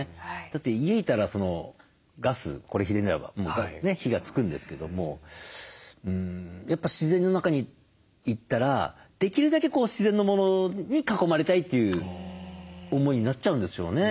だって家いたらガスこれひねれば火がつくんですけどもやっぱ自然の中に行ったらできるだけ自然のものに囲まれたいという思いになっちゃうんですよね。